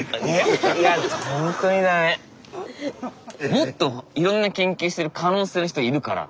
もっといろんな研究してる可能性の人いるから。